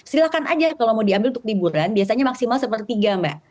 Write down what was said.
silahkan aja kalau mau diambil untuk liburan biasanya maksimal sepertiga mbak